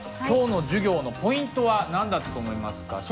今日の授業のポイントは何だったと思いますか？